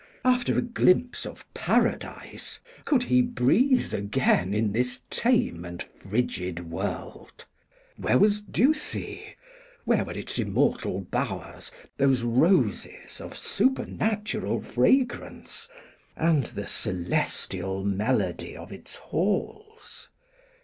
After a glimpse of Paradise, could he breathe again in this tame and frigid world? Where was Ducie? Where were its immortal bowers, those roses of supernatural fragrance, and the celestial melody of its halls?